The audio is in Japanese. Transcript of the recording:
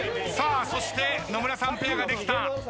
さあそして野村さんペアができた。